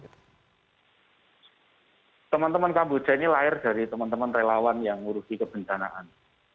teman teman kamboja ini lahir dari teman teman relawan yang ngurusi kebencanaan